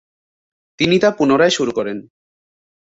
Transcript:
তিনি তা পুনরায় শুরু করেন।